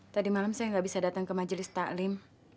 tadi malam saya nggak bisa datang ke majelis taklim